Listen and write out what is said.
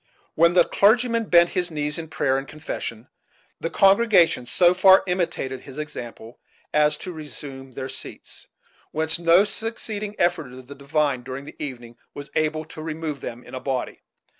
When the clergyman bent his knees in prayer and confession, the congregation so far imitated his example as to resume their seats; whence no succeeding effort of the divine, during the evening, was able to remove them in a body.